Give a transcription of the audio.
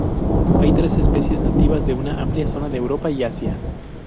Hay tres especies, nativas de una amplia zona de Europa y Asia.